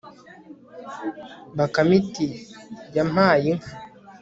bakame iti yampaye inka